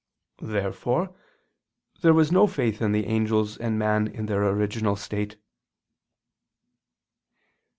Therefore there was no faith in the angels and man in their original state.